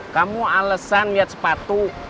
kamu alesan liat sepatu